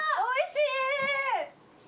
おいしい！